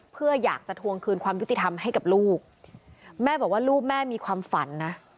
เพื่ออยากจะทวงคืนความยุติธรรมให้กับลูกแม่บอกว่าลูกแม่มีความฝันนะ